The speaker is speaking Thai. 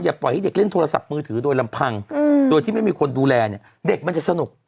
ปล่อยให้เด็กเล่นโทรศัพท์มือถือโดยลำพังโดยที่ไม่มีคนดูแลเนี่ยเด็กมันจะสนุก